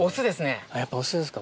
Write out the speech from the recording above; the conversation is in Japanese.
やっぱオスですか。